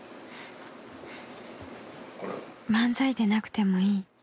［漫才でなくてもいい］